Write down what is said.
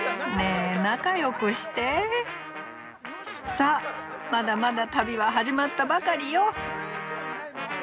さあまだまだ旅は始まったばかりよ。